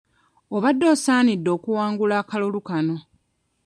Obadde osaanidde okuwangula akalulu kano.